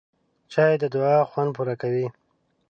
چای د دعا خوند پوره کوي